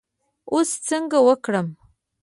اوس څنګه وکړم.